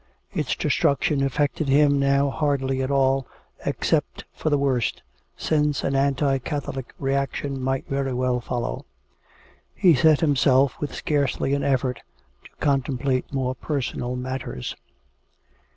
Its destruction affected him now hardly at all, except for the worse, since an anti Catholic reaction might very well follow. ... He set himself, with scarcely an effort, to contemplate more personal matters.